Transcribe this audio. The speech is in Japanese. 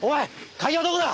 鍵はどこだ！